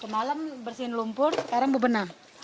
kemalem bersihin lumpur sekarang bu benang